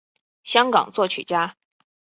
香港作曲家。